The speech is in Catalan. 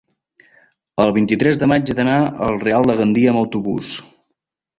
El vint-i-tres de maig he d'anar al Real de Gandia amb autobús.